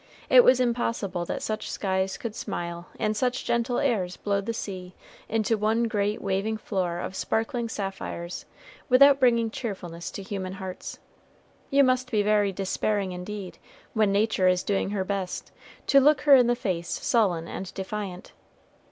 It was impossible that such skies could smile and such gentle airs blow the sea into one great waving floor of sparkling sapphires without bringing cheerfulness to human hearts. You must be very despairing indeed, when Nature is doing her best, to look her in the face sullen and defiant.